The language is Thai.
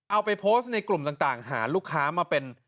เอาไปโพสต์ในกลุ่มต่างหาลูกค้ามาเป็น